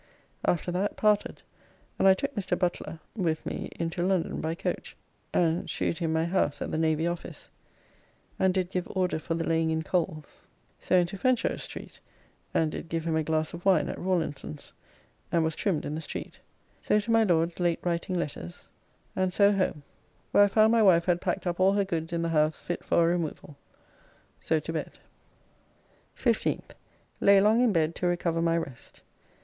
After that parted, and I took Mr. Butler [Mons. L'Impertinent] with me into London by coach and shewed him my house at the Navy Office, and did give order for the laying in coals. So into Fenchurch Street, and did give him a glass of wine at Rawlinson's, and was trimmed in the street. So to my Lord's late writing letters, and so home, where I found my wife had packed up all her goods in the house fit for a removal. So to bed. 15th. Lay long in bed to recover my rest.